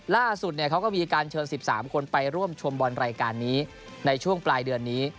เขาก็มีการเชิญ๑๓คนไปร่วมชมบอลรายการนี้ในช่วงปลายเดือนนี้